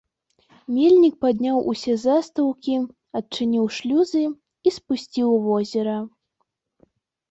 Мельнік падняў усе застаўкі, адчыніў шлюзы і спусціў возера.